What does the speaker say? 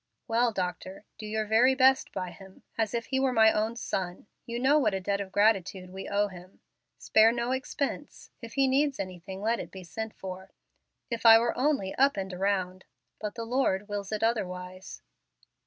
"Well, doctor, do your very best by him, as if he were my own son. You know what a debt of gratitude we owe him. Spare no expense. If he needs anything, let it be sent for. If I were only up and around; but the Lord wills it otherwise."